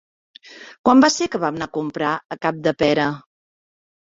Quan va ser que vam anar a Capdepera?